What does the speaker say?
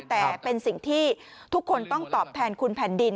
แต่เป็นสิ่งที่ทุกคนต้องตอบแทนคุณแผ่นดิน